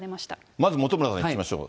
まず本村さんに聞きましょう。